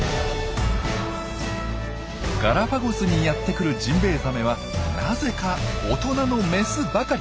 ガラパゴスにやってくるジンベエザメはなぜか大人のメスばかり。